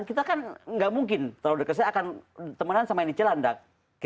kita kan gak mungkin kalau dekesnya akan temenan sama ini celandak